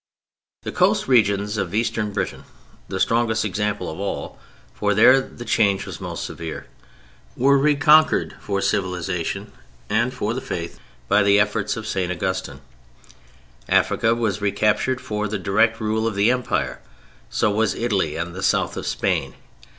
The coast regions of Eastern Britain (the strongest example of all, for there the change was most severe) were reconquered for civilization and for the Faith by the efforts of St. Augustine; Africa was recaptured for the direct rule of the Emperor: so was Italy and the South of Spain.